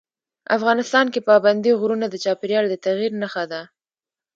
افغانستان کې پابندي غرونه د چاپېریال د تغیر نښه ده.